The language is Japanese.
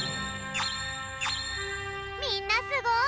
みんなすごい！